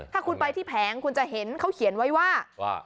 ถ้าคุณไปที่แผงคุณจะเห็นเขาเขียนไว้ว่า